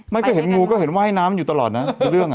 ไม่ก็เห็นงูก็เห็นว่ายน้ำอยู่ตลอดนะในเรื่อง